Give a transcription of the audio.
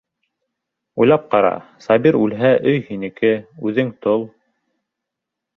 Уйлап ҡара: Сабир үлһә, өй һинеке, үҙең тол!